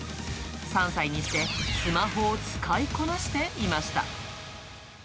３歳にして、スマホを使いこなしていました。